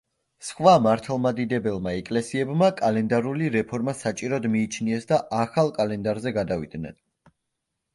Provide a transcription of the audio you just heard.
სხვა მართლმადიდებელმა ეკლესიებმა კალენდარული რეფორმა საჭიროდ მიიჩნიეს და ახალ კალენდარზე გადავიდნენ.